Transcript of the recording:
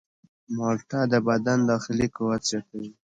مالټه د بدن داخلي قوت زیاتوي.